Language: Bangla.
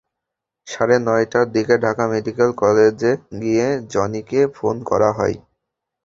সাড়ে নয়টার দিকে ঢাকা মেডিকেল কলেজে গিয়ে জনিকে ফোন করা হয়।